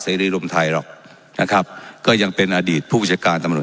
รีรมไทยหรอกนะครับก็ยังเป็นอดีตผู้บัญชาการตำรวจ